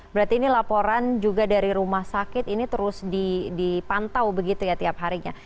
berarti ini laporan juga dari rumah sakit ini terus dipantau begitu ya tiap harinya